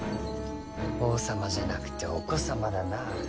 王様じゃなくてお子様だな。